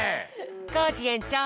コージえんちょう！